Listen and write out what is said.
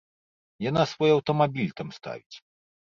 Яна свой аўтамабіль там ставіць.